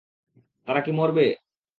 তারা কি মরবে?